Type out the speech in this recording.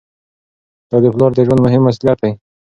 دا د پلار د ژوند مهم مسؤلیت دی.